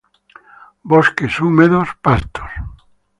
Bosques húmedos, pastos.